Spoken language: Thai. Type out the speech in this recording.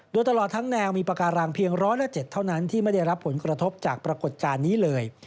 โดยตลอดทั้งแนวมีปากการังเพียงร้อยละ๗เท่านั้นที่ไม่ได้รับผลกระทบจากปรากฏการณ์นี้เลย